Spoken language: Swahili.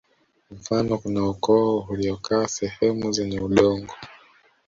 Mfano kuna ukoo uliokaa sehemu zenye udongo